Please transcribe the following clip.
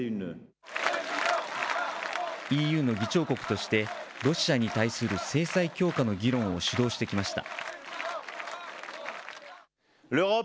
ＥＵの議長国として、ロシアに対する制裁強化の議論を主導してきました。